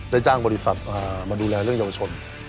จ้างบริษัทมาดูแลเรื่องเยาวชน